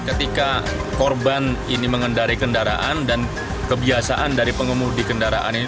ketika korban ini mengendari kendaraan dan kebiasaan dari pengemudi kendaraan ini